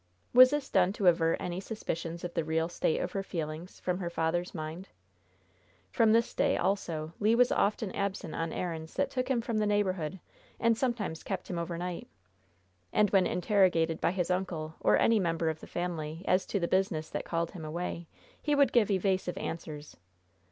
Was this done to avert any suspicions of the real state of her feelings from her father's mind? From this day, also, Le was often absent on errands that took him from the neighborhood and sometimes kept him over night. And when interrogated by his uncle, or any member of the family, as to the business that called him away, he would give evasive answers.